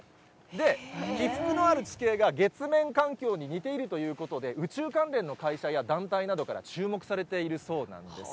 で、起伏のある地形が、月面環境に似ているということで、宇宙関連の会社や団体などから注目されているそうなんです。